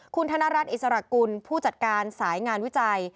คุณธนรัฐอิสระกุลผู้จัดการสายงานวิจัย